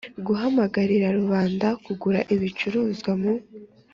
guhamagarira rubanda kugura ibicuruzwa mu